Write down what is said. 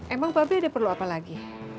emang pak be ada perlu apa lagi